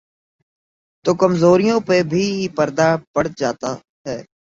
تو کمزوریوں پہ بھی پردہ پڑ جاتاہے۔